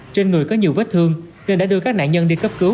trên người có nhiều vết thương nên đã đưa các nạn nhân đi cấp cứu